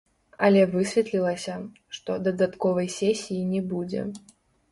Але высветлілася, што дадатковай сесіі не будзе.